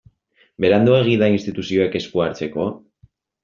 Beranduegi da instituzioek esku hartzeko?